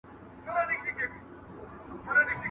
¬ بې ما بې شل نه کې.